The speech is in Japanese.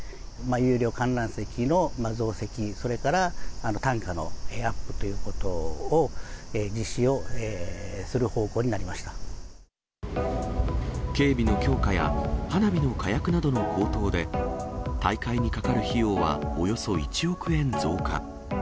有料観覧席の増席、それから単価のアップということを実施をする警備の強化や花火の火薬などの高等で、大会にかかる費用はおよそ１億円増加。